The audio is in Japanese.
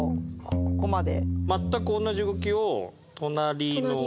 全く同じ動きを隣と。